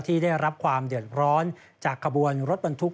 ที่ได้รับความเดือนร้อนจากควบค์รถบรรทุก